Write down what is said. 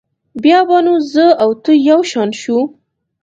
بیا به نو زه او ته یو شان شو.